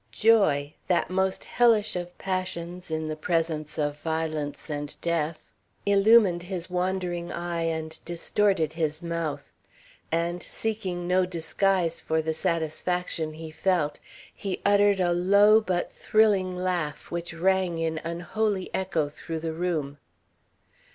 Joy that most hellish of passions in the presence of violence and death illumined his wandering eye and distorted his mouth; and, seeking no disguise for the satisfaction he felt, he uttered a low but thrilling laugh, which rang in unholy echo through the room.